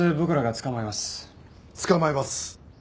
捕まえます！